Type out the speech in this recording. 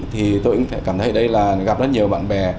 thì tôi cũng cảm thấy đây là gặp rất nhiều bạn bè